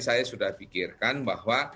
saya sudah pikirkan bahwa